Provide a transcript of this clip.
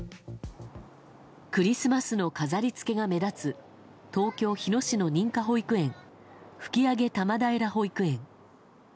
クリスマスの飾り付けが目立つ東京・日野市の認可保育園吹上多摩平保育園。